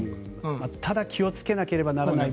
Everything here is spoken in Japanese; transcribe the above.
ただ気をつけなければならない。